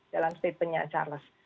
dalam statementnya charles